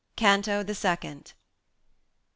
CANTO THE SECOND. I.